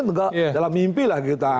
negara dalam mimpi lah kita